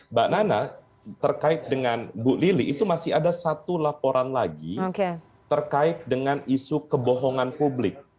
mbak nana terkait dengan bu lili itu masih ada satu laporan lagi terkait dengan isu kebohongan publik